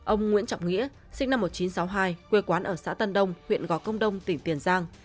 ông nguyễn trọng nghĩa sinh năm một nghìn chín trăm sáu mươi hai quê quán ở xã tân đông huyện gò công đông tỉnh tiền giang